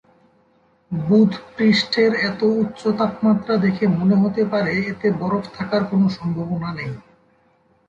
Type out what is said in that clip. বুধ পৃষ্ঠের এত উচ্চ তাপমাত্রা দেখে মনে হতে পারে এতে বরফ থাকার কোন সম্ভাবনা নেই।